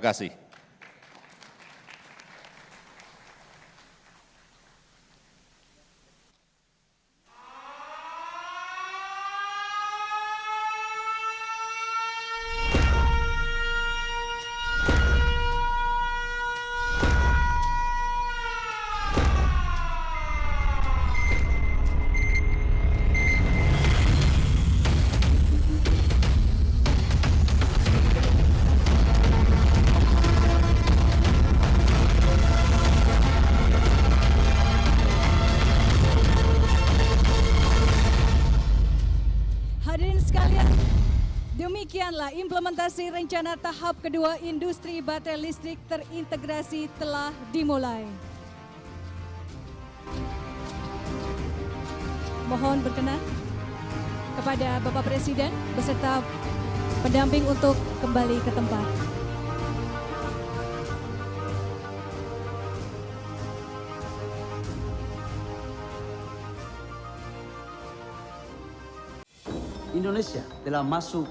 wassalamu'alaikum warahmatullahi wabarakatuh